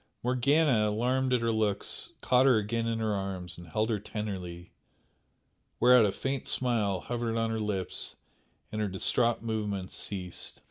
Morgana, alarmed at her looks, caught her again in her arms and held her tenderly, whereat a faint smile hovered on her lips and her distraught movements ceased.